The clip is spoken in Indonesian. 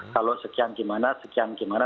kalau sekian gimana sekian gimana